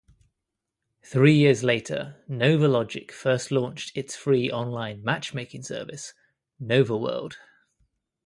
Three years later, NovaLogic first launched its free online matchmaking service, NovaWorld.